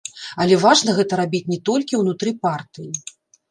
Але важна гэта рабіць не толькі ўнутры партыі.